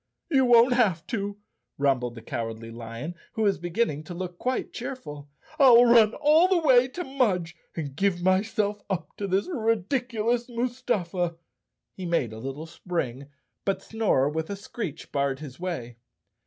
"You won't have to," rumbled the Cowardly Lion, who was beginning to look quite cheerful. "I'll run all the way to Mudge and give myself up to this ridic¬ ulous Mustafa. He made a little spring, but Snorer with a screech barred the way.